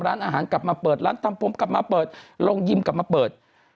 ร้านอาหารกลับมาเปิดร้านทำผมกลับมาเปิดโรงยิมกลับมาเปิด